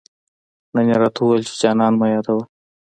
نن يې راته وويل، چي جانان مه يادوه